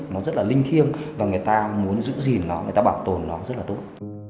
nó rất là linh thiêng và người ta muốn giữ gìn nó người ta bảo tồn nó rất là tốt